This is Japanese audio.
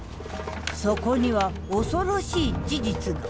そこには恐ろしい事実が。